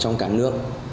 trong cả nước